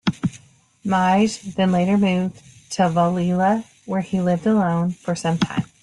Mige then later moved to Vallila, where he lived alone for some time.